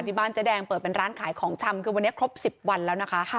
บ้านเจ๊แดงเปิดเป็นร้านขายของชำคือวันนี้ครบ๑๐วันแล้วนะคะ